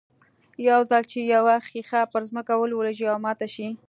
يو ځل چې يوه ښيښه پر ځمکه ولوېږي او ماته شي.